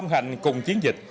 công hành cùng chiến dịch